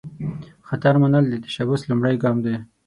خطر منل، د تشبث لومړۍ ګام دی.